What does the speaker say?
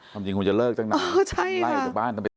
จริงคุณจะเลิกจังหน่อยไล่ออกจากบ้านทำไม